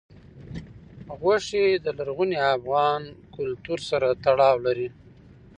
غوښې د لرغوني افغان کلتور سره تړاو لري.